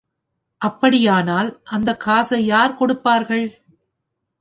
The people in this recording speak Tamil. அப்படியானால் அந்தக் காசை யார் கொடுப்பார்கள்?